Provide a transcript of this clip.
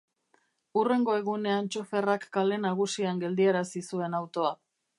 Hurrengo egunean txoferrak kale nagusian geldiarazi zuen autoa.